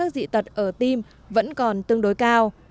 dị tật ở tim vẫn còn tương đối cao